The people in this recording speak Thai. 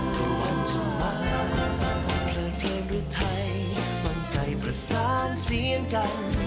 ก็ว่าจะมาเพลิงเทียมหรือไทยมันใกล้ภาษาเสียงกัน